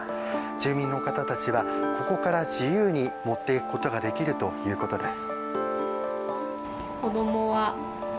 住民の方たちはここから自由に持っていくことができるということです。